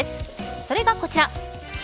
それがこちら。